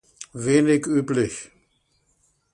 Wenig üblich.